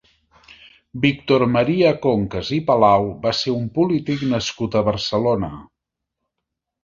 Víctor Maria Concas i Palau va ser un polític nascut a Barcelona.